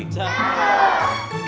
jalan jalan keci gombong